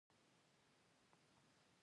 شر د شیطان دی